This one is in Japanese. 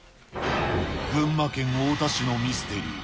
群馬県太田市のミステリー。